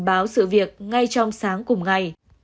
báo sự việc ngay trong sáng cùng ngày